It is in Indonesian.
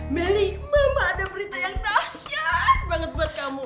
mali mama ada berita yang dasyat banget buat kamu